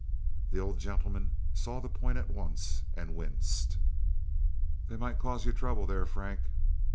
The old gentleman saw the point at once, and winced. "They might cause you trouble, there, Frank."